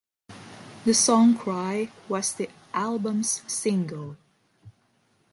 The song "Cry" was the album's single.